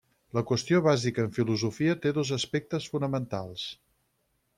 La qüestió bàsica en filosofia té dos aspectes fonamentals.